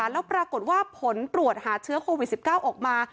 แล้วปรากฏว่าผลตรวจหาเชื้อโควิด๑๙ออกมา